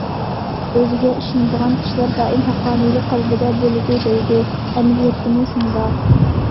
ئۆزىگە ئىشىنىدىغان كىشىلەر دائىم ھەققانىيلىق قەلبىدە بولىدۇ، دەيدۇ، ئەمەلىيەتتىمۇ شۇنداق.